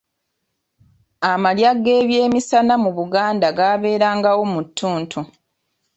Amalya g'ebyemisana mu Buganda gaaberangawo mu ttuntu.